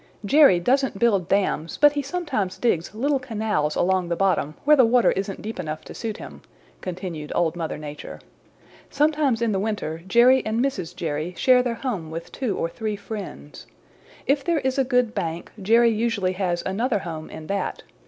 "Jerry doesn't build dams, but he sometimes digs little canals along the bottom where the water isn't deep enough to suit him," continued Old Mother Nature. "Sometimes in the winter Jerry and Mrs. Jerry share their home with two or three friends. If there is a good bank Jerry usually has another home in that.